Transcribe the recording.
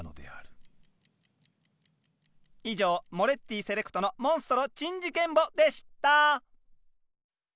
以上モレッティセレクトの「モンストロ珍事件簿」でした！